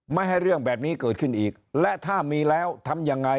ไม่ให้เรื่องแบบนี้เกิดขึ้นอีกและถ้ามีแล้วทำยังไง